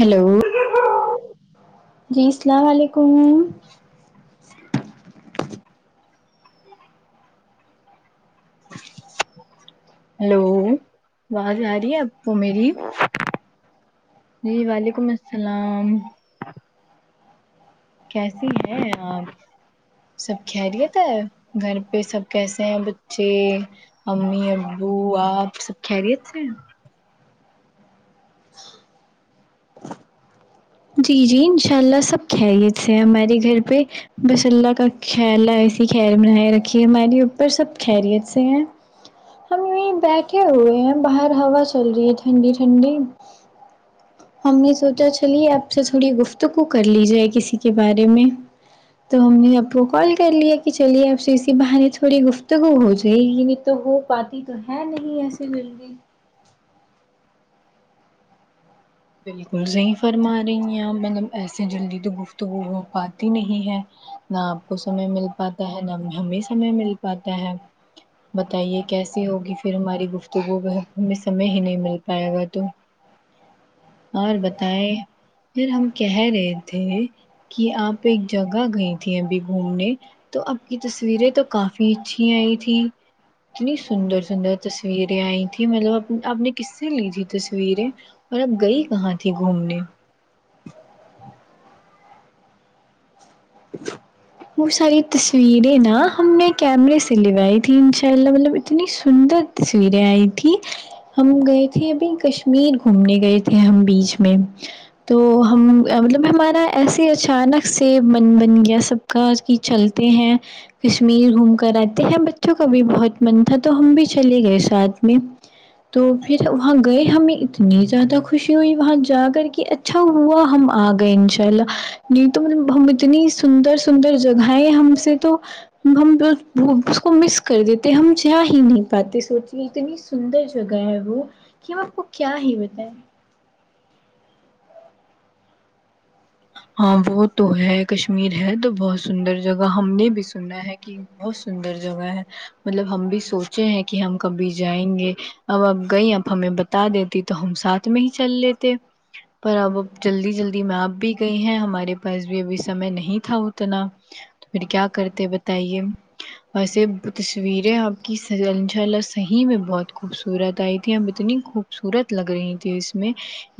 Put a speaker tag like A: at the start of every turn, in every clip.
A: hello جی السلام علیکم
B: ہلو آواز آرہی ہے آپکو میری جی وعلیکم السلام کیسی ہے آپ سب خیریت ہے گھر پہ سب کیسے ہیں بچے امی ابو آپ سب خیریت سے
A: جی جی انشاء اللہ سب خیریت سے ہمارے گھر پہ بس اللہ کا خھیلہ ایسی خیر بنائے رکھیے ہمارے اوپر سب خیریت سے ہیں ہم یہیں بیٹھے ہوئے ہیں باہر ہوا چل رہی ہے ٹھنڈی ٹھنڈی ہم نے سوچا چلیے آپ سے تھوڑی گفتگو کر لی جائے کسی کے بارے میں تو ہم نے آپ کو کال کر لیا کہ چلیے آپ سے اسی بہانے تھوڑی گفتگو ہو جائے گی تو ہو پاتی تو ہے نہیں ایسی مل نے
B: بالکل صحیح فرما رہی ہیں مطلب ایسے جلدی تو گفتگو ہو پاتی نہیں ہے نہ آپ کو سمے مل پاتا ہے نہ مجے ہمیں سمے مل پاتا ہے بتائیے کیسے ہوگی پھر ہماری گفتگو بہ ہمیں سمے ہی نہیں مل پائے گا تو اور بتائے پھر ہم کہہ رہے تھے کہ آپ ایک جگہ گئی تھی ابھی گھومنے تو اپ کی تصویریں تو کافی اچھی آئی تھی اتنی سندر سندر تصویریں آئی تھیں مطلب آپ نے کس سے لی تھی تصویریں اور اب گئی کہاں تھی گھومنے
A: [inaudible] وہ ساری تصویریں نا ہم نے کیمرے سے لوائی تھیں ان شاء اللہ مطلب اتنی سندر تصویریں آئی تھی ہم گئے تھے ابھی کشمیر گھومنے گئے تھے ہم بیچ میں تو ہم مطلب ہمارا ایسے اچانک سے من بن گیا سب کا کہ چلتے ہیں کشمیر گھوم کر آتے ہیں بچوں کا بھی بہت من تھا تو ہم بھی چلے گئے ساتھ میں تو پھر وہاں گئے ہمیں اتنی زیادہ خوشی ہوئی وہاں جا کر کے اچھا ہوا ہم آ گئے ان شاء اللہ نہیں تو مطلب ہمیں ااتنی سندر سندر جگہیں ہم سے تو ہم اس کو مس کر دیتے ہم جا ہی نہیں پاتے سوچنے اتنی سندر جگہ ہے وہ کہ ہم آپ کو کیا ہی بتائیں
B: ہاں وہ تو ہے کشمیر ہے تو بہت سندر جگہ ہم نے بھی سنا ہے کہ بہت سندر جگہ ہے مطلب ہم بھی سوچے ہیں کہ ہم کبھی جائیں گے اب اپ گئیں اب ہمیں بتا دیتی تو ہم ساتھ میں ہی چل لیتے پر اب جلدی جلدی میں آپ بھی گئی ہیں ہمارے پاس بھی ابھی سمے نہیں تھا اتنا تو پھر کیا کرتے بتائیے ویسے تصویریں آپ کی ان شاء اللہ صحیح میں بہت خوبصورت آئی تھی اب اتنی خوب صورت لگ رہی تھی اس میں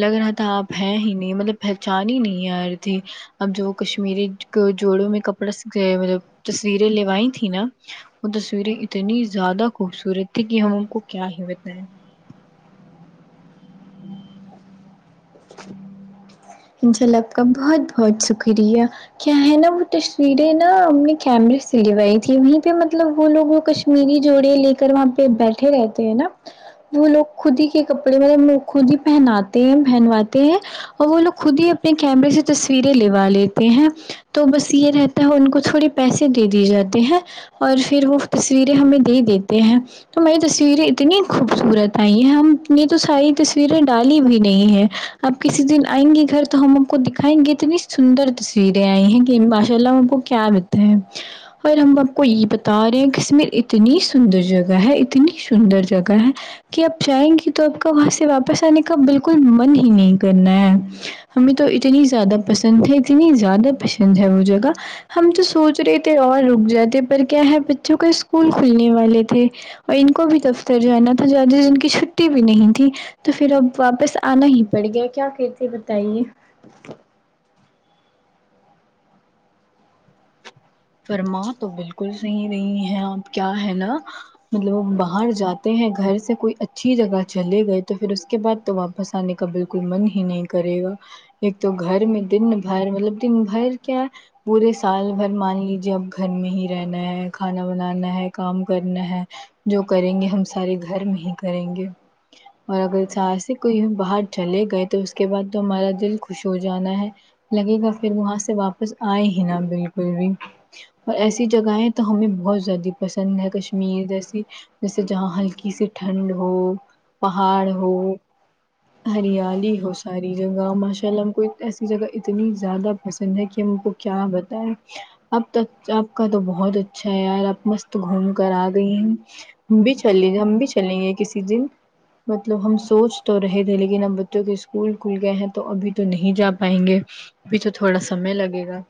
B: لگ رہا تھا آپ ہیں ہی نہیں مطلب پہچان ہی نہیں آ رہ تھی اب جو کشمیری جوڑوں میں کپڑا سکھیا مطلب تصویریں لےوائی تھی نا وہ تصویریں اتنی زیادہ خوبصورت کہ ہم ان کو کیا ہی بتائیں
A: جھلک کا بہت بہت شکریہ کیا ہے نا وہ تصویریں نا ہم نے کیمرے سے لوائی تھی وہیں پہ مطلب وہ لوگ کش میری جوڑی لے کر وہاں پہ بیٹھے رہتے ہیں نا وہ لوگ خود ہی کے کپڑے مطلب خود ہی پہناتے ہیں پہنواتے ہیں اور وہ لوگ خود ہی اپنے کیمرے سے تصویریں لوا لیتے ہیں تو بس یہ رہ تو ان کو تھوڑے پیسے دے دیے جاتے ہیں اور پھر وہ تصویریں ہمیں دے دیتے ہیں تو ہماری تصویریں اتنی خوبصورت آئی ہیں ہم نے تو ساری تصویریں ڈالی بھی نہیں ہے آپ کسی دن آئیں گے گھر تو ہم آپ کو دکھائیں گے اتنی سندر تصویریں آئی ہیں کہ ماشاء اللہ ہم کو کیا [inaudible] اور ہم آپ کو یہ بتا رہے ہیں کشمیر اتنی سندر جگہ ہے اتنی سندر جگہ ہے کہ آپ جائیں گی تو آپ کا وہاں سے واپس آنے کا بالکل من ہی نہیں کرنا ہے ہمیں تو اتنی زیادہ پسند ہے اتنی زیادہ پسند ہے وہ جگہ ہم تو سوچ رہے تھے اور رک جاتے پر کیا ہے بچوں کا اسکول کھلنے والے تھے اور ان کو بھی دفتر جانا تھا زیادہ دن کی چھٹی بھی نہیں تھی تو پھر اب واپس آنا ہی پڑ گیا کیا کہتے بتائیے
B: فرما تو بالکل صحیح رہی ہے آپ کیا ہے نا مطلب وہ باہر جاتے ہیں گھر سے کوئی اچھا اچھی جگہ چلے گئے تو پھر اس کے بعد تو واپس آنے کا بالکل من ہی نہیں کرے گا ایک تو گھر میں دن بھر مطلب دن بھر کیا پورے سال بھر مانے لیجیے اب گھر میں ہی رہنا ہے کھانا بنانا ہے کام کرنا ہے جو کریں گے ہم سارے گھر میں ہی کریں گے اور اگر ساہ سے کو باہر چلے گئے تو اس کے بعد تو ہمارا دل خوش ہو جانا ہے لگے گا پھر وہاں سے واپس آئے ہی نا بالکل بھی اور ایسی جگہیں تو ہمیں بہت زیادہ پسند ہے کشمیر جیسی جیسے جہاں ہلکی سی ٹھنڈ ہو پہاڑ ہو ہریالی ہو ساری جگہ ماشاء اللہ ہم کو ایسی جگہ اتنی زیادہ پسند ہے کہ ہم کو کیا بتائے اب تو آپ کا تو بہت اچھا ہے یار آپ مست گھوم کر آ گئی ہیں ہم بھی چلے گئے ہم بھی چلیں گے کسی دن مطلب ہم سوچ تو رہے تھے لیکن اب بچوں کے اسکول کھل گئے ہیں تو ابھی تو نہیں جا پائیں گے ابھی تو تھوڑا سمے لگے گا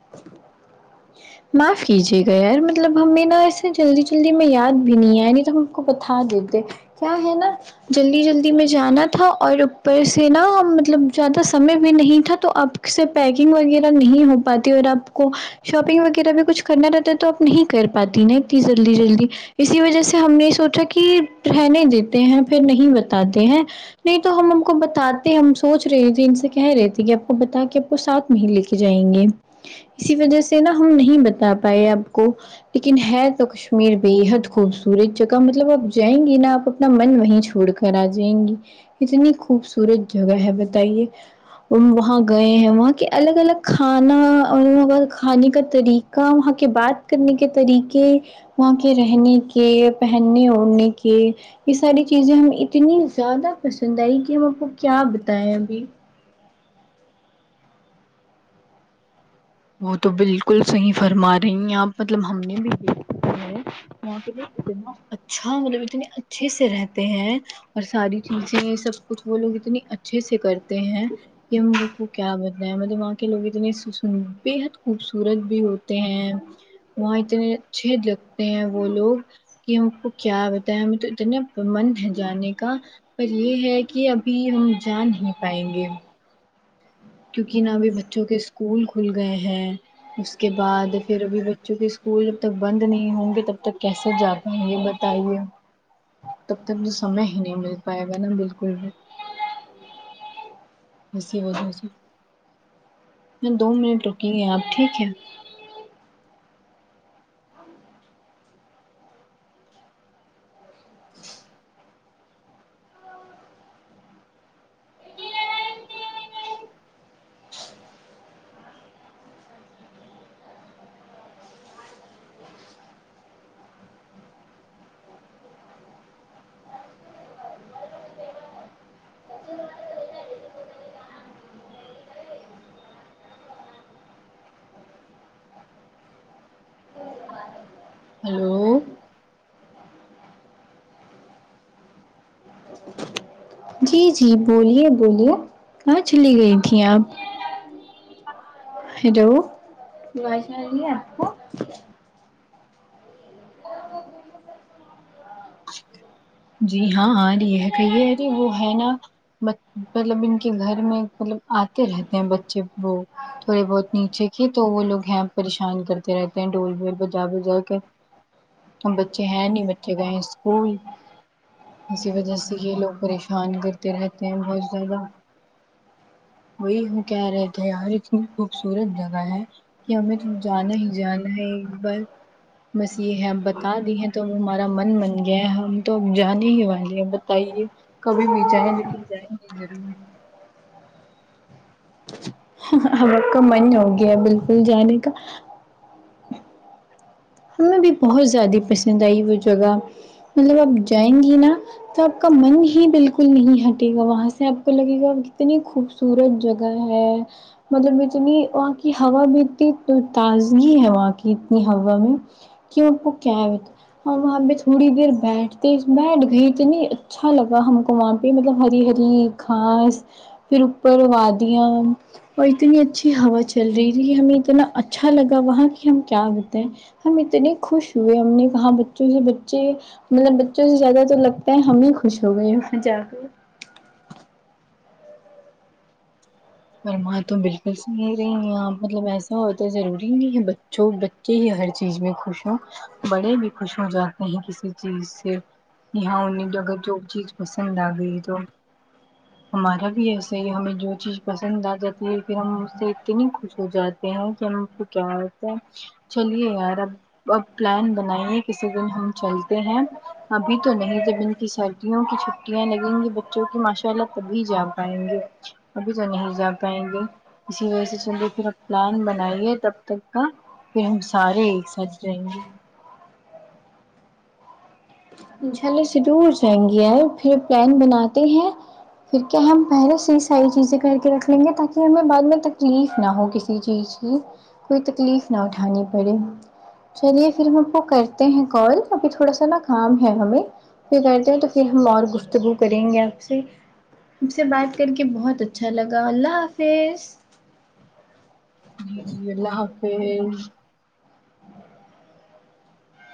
A: [inaudible] معاف کیجیے گا یار مطلب ہمیں نا ایسے جلدی جلدی میں یاد بھی نہیں آیا نہیں تو ہم کو بتا دیتے کیا ہے نا جلدی جلدی میں جانا تھا اور اوپر سے نا مطلب زیادہ سمے بھی نہیں تھا تو آپ سے پیکنگ وغیرہ نہیں ہو پاتی اور آپ کو شاپنگ وغیرہ بھی کچھ کرنا رہتا ہے تو اپ نہیں کر پاتی نا اتنی جلدی جلدی اسی وجہ سے ہم نے سوچا کی رہنے دیتے ہیں پھر نہیں بتاتے ہیں نہیں تو ہم کو بتاتے ہم سوچ رہے تھے ان سے کہہ رہے تھے کہ آپ کو بتا کے ساتھ میں لے کے جائیں گے اسی وجہ سے نا ہم نہیں بتا پائے آپ کو لیکن ہے تو کشمیر بے حد خوبصورت جگہ مطلب آپ جائیں گی نا آپ اپنا من وہیں چھوڑ کر کرا جائیں گی اتنی خوبصورت جگہ ہے بتائیے وہ وہاں گئے ہیں وہاں کے الگ الگ کھانا اور کھانے کا طریقہ وہاں کے بات کرنے کے طریقے وہاں کے رہنے کے پہنے اوڑھنے کے یہ ساری چیزیں ہمیں اتنی زیادہ پسند آئی کہ ہم آپ کو کیا بتائیں ابھی
B: وہ تو بالکل صحیح فرما رہی ہیں آپ مطلب ہم نے بھی دیکھا وہ کے لوگ اتنا اچھا مطلب اتنے اچھے سے رہتے ہیں اور ساری چیزیں سب کچھ وہ لوگ اتنی اچھے سے کرتے ہیں کہ ہم اپ کو کیا بتایے وہاں کے لوگ اتنے بےحد خوبصورت بھی ہوتے ہیں وہاں اتنے اچھے جگہ ہیں وہ لوگ کہ ہم کو کیا بتاے ہمیں تو اتنا من ہے جانے کا پر یہ ہے کہ ابھی ہم جا نہیں پائیں گے کیونکہ نا ابھی بچوں کے اسکول کھل گئے ہیں اس کے بعد پھر ابھی بچوں کے اسکول جب تک بند نہیں ہوں گے تب تک کیسے جا پائیں گے بتائیے تب تک تو سمے ہی نہیں مل پائے گا نا بالکل بھی ایسی وجہ سے میں دو منٹ رکیے آپ ٹھیک ہے ہلو
A: جی جی بولیے بولیے کہاں چلی گئی تھی آپ ہیلو آواز نہیں آرہی ہے آپ کو [unintelligible]
B: جی ہاں ارہی ہے کہیے ارے وہ ہے نا مطلب ان کے گھر میں مطلب آتے رہتے ہیں بچے وہ تھوڑے بہت نیچے کی تو وہ لوگ ہیں پریشان کرتے رہتے ہیں ڈور بل بجا بجا کر ہم بچے ہیں نہیں بچے گئے اسکول اسی وجہ سے یہ لوگ پریشان کرتے رہتے ہیں بہت زیادہ وہی ہم کہہ رہے تھے یار اتنی خوبصورت جگہ ہے کہ ہمیں تو جانا ہی جانا ہے ایک بار بس یہ ہے بتا دی ہیں تو اب ہمارا من من گیا ہے ہم تو اب جانے ہی والے ہیں بتائیے کبھی بھی جائیں لیکن جائینگے ضرور
A: ہم آپ کا من ہو گیا بالکل جانے کا ہمیں بھی بہت زیادہ پسند آئی وہ جگہ مطلب آپ جائیں گی نا تو آپ کا من ہی بالکل بالکل نہیں ہٹے گا وہاں سے آپ کو لگے گا کتنی خوبصورت جگہ ہے مطلب اتنی وہاں کی ہوا بھی اتنی تازگی ہے وہاں کی اتنی ہوا میں کے اپ کو کیا بتا اور وہاں پہ تھوڑی دیر بیٹھتے بیٹھ گئی کے اچھا لگا ہم کو وہاں پہ مطلب ہری ہری گھاس پھر اوپر وادیاں اور اتنی اچھی ہوا چل رہی تھی ہمیں اتنا اچھا لگا وہاں کہ ہم کیا بتائیں ہم اتنے خوش ہوئے ہم نے کہا بچوں کے بچے مطلب بچوں سے زیادہ تو لگتا ہے ہم ہی خوش ہو گئے وہاں جا کر
B: اورماں تو بالکل سو نہیں رہی آپ مطلب ایسا ہوتا ضروری نہیں ہے بچوں کہ یہ ہر چیز میں خوش ہوں بڑے بھی خوش ہو جاتے ہیں کسی چیز سے یہاں انہیں اگر جو چیز پسند آ گئی تو ہمارا بھی ایسا ہی ہے ہمیں جو چیز پسند آ جاتی ہے پھر ہم اس سے اتنے خوش ہو جاتے ہیں کہ ہم ٹھیک ہے تو چلیے یار اب پلان بنائیے کسی دن ہم چلتے ہیں ابھی تو نہیں جب کہ سردیوں کی چھٹیاں لگیں گی بچوں کی ماشاء اللہ تبھی جا پائیں گے [unintelligible] اسی وجہ سے چلیے پھر پلان بنائیے تب تک کا پھر ہم سارے ایک ساتھ جائینگے
A: انشاء اللہ ضرور جائیں گے پھر پلان بناتے ہیں پھر کیا ہم پہلے سے ہی ساری چیزیں کر کے رکھ لیں گے تاکہ ہمیں بعد میں تکلیف نہ ہو کسی چیز کی کوئی تکلیف نہ اٹھانی پڑے چلیے پھر ہم آپ کو کرتے ہیں کال ابھی تھوڑا سا نا کام ہمیں کہتے ہیں تو پھر ہم اور گفتگو کریں گے آپ سے مجھ سے بات کر کے بہت اچھا لگا اللہ حافظ
B: جی جی اللہ حافظ